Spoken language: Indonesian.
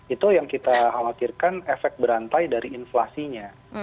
itu yang kita khawatirkan efek berantai dari inflasinya